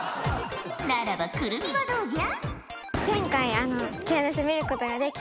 ならば来泉はどうじゃ？